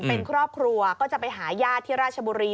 เป็นครอบครัวก็จะไปหาญาติที่ราชบุรี